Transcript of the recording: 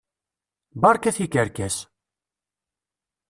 Berka tikerkas!